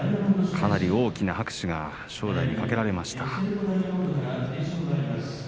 かなり大きな拍手が正代にかけられました。